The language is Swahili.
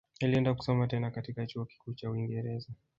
Alienda kusoma tena katika chuo kikuu cha uingereza